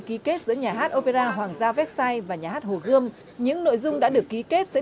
ký kết giữa nhà hát opera hoàng gia vecsai và nhà hát hồ gươm những nội dung đã được ký kết sẽ